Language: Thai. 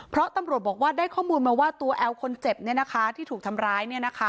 เพราะตำรวจบอกว่าได้ข้อมูลมาว่าตัวแอลคนเจ็บที่ถูกทำร้าย